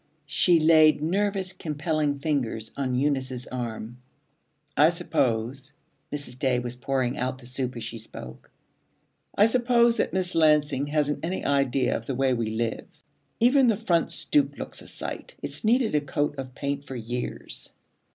She laid nervous compelling fingers on Eunice's arm. 'I suppose,' Mrs. Day was pouring out the soup as she spoke, 'I suppose that Miss Lansing hasn't any idea of the way we live. Even the front stoop looks a sight. It's needed a coat of paint for years.'